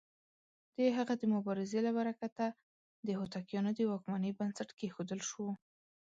د هغه د مبارزې له برکته د هوتکيانو د واکمنۍ بنسټ کېښودل شو.